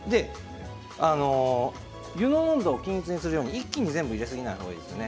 湯の温度を均一にするように一気に全部入れないほうがいいですね。